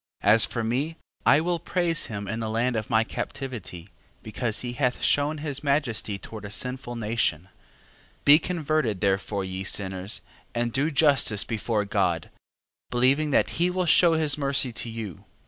13:7. As for me, I will praise him in the land of my captivity: because he hath shewn his majesty toward a sinful nation, 13:8. Be converted therefore, ye sinners, and do justice before God, believing that he will shew his mercy to you.